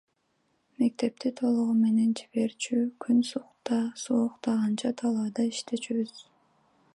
Мектепти толугу менен жиберчү, күн сууктаганча талаада иштечүбүз.